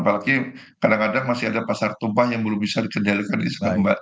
apalagi kadang kadang masih ada pasar tumpah yang belum bisa dikendalikan di sana mbak